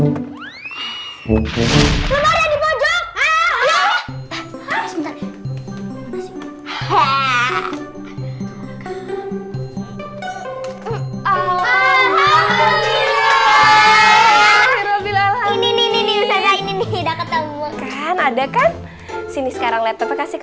alhamdulillah ini nih ini ini tidak ketemu kan ada kan sini sekarang laptop kasih ke